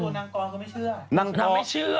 แต่ตัวนางกอก็ไม่เชื่อ